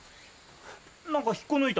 何か引っこ抜いた。